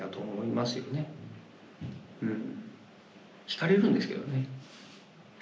引かれるんですけどね。